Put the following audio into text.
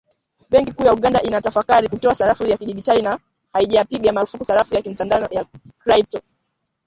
Benki kuu ya Uganda inatafakari kutoa sarafu ya kidigitali, na haijapiga marufuku sarafu ya kimtandao ya krypto